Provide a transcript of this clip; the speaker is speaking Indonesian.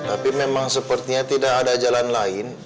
tapi memang sepertinya tidak ada jalan lain